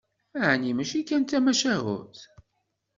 Ɛni mačči kan d tamacahut?